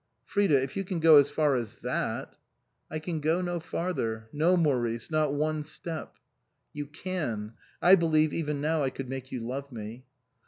" Frida, if you can go as far as that "" I can go no farther. No, Maurice, not one step." " You can. I believe, even now, I could make you love me."